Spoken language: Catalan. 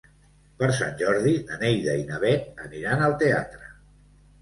Per Sant Jordi na Neida i na Bet aniran al teatre.